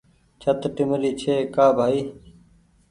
ڇت ٽيمرِي ڇي ڪا بهائي